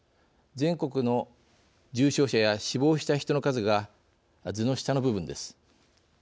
全国の重症者や死亡した人の数が図の下の部分です。